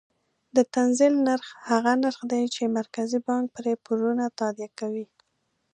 د تنزیل نرخ هغه نرخ دی چې مرکزي بانک پرې پورونه تادیه کوي.